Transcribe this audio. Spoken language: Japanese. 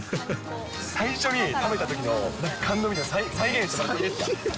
最初に食べたときのなんか感動を再現してもらっていいですか？